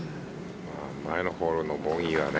前のホールのボギーがね